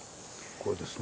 これですね。